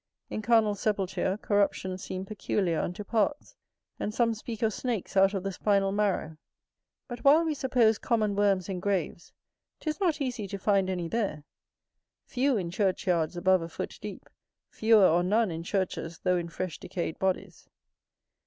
In carnal sepulture, corruptions seem peculiar unto parts; and some speak of snakes out of the spinal marrow. But while we suppose common worms in graves, 'tis not easy to find any there; few in churchyards above a foot deep, fewer or none in churches though in fresh decayed bodies.